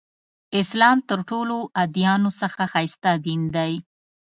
اسلام تر ټولو ادیانو څخه ښایسته دین دی.